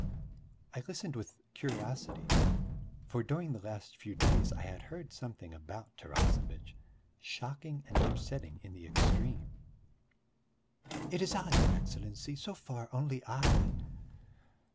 I listened with curiosity for during the last few days I had heard something about Tarasevitch shocking and upsetting in the extreme. "It's I, your Excellency, so far only I."